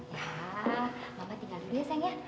ya mama tinggal dulu ya sayang ya